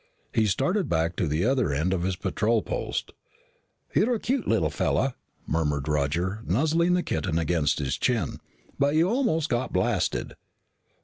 He started back to the other end of his patrol post. "You're a cute little fella," murmured Roger, nuzzling the kitten against his chin. "But you almost got blasted."